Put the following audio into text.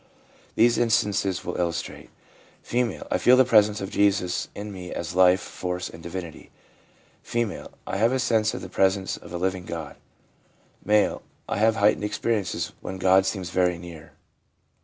These instances will illustrate: F. ' I feel the presence of Jesus in me as life, force and divinity/ F. ' I have a sense of the presence of a living God/ M. ' I have heightened experiences when God seems very near/ M.